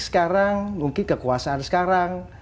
sekarang mungkin kekuasaan sekarang